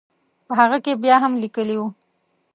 په هغه کې بیا هم لیکلي وو.